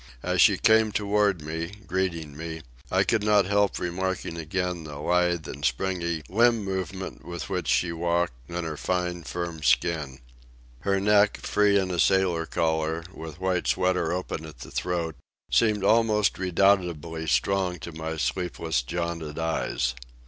As she came toward me, greeting me, I could not help remarking again the lithe and springy limb movement with which she walked, and her fine, firm skin. Her neck, free in a sailor collar, with white sweater open at the throat, seemed almost redoubtably strong to my sleepless, jaundiced eyes.